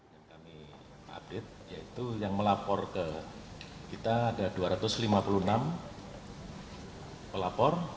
yang kami update yaitu yang melapor ke kita ada dua ratus lima puluh enam pelapor